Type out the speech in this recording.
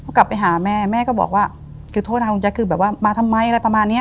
กลับไปหาแม่แม่ก็บอกว่าคือโทษนะคุณแจ๊คคือแบบว่ามาทำไมอะไรประมาณเนี้ย